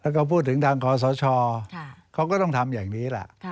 แล้วก็พูดถึงทางขอสชเขาก็ต้องทำอย่างนี้แหละ